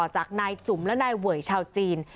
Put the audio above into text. จากนายจุ๋มและนายเวยชาวจีน